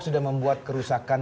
sudah membuat kerusakan